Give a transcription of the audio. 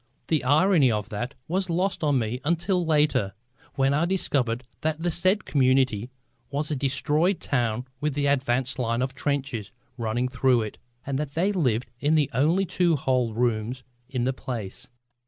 The irony of that was lost on me until later, when I discovered that the said community was a destroyed town with the advance line of trenches running through it, and that they lived in the only two whole rooms in the place.